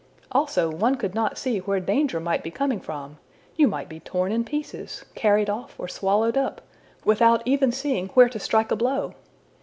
Also, one could not see where danger might be coming from! You might be torn in pieces, carried off, or swallowed up, without even seeing where to strike a blow!